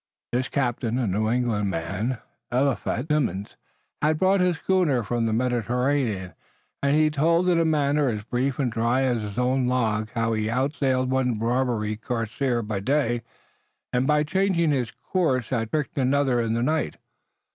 This captain, a New England man, Eliphalet Simmons, had brought his schooner from the Mediterranean, and he told in a manner as brief and dry as his own log how he had outsailed one Barbary corsair by day, and by changing his course had tricked another in the night.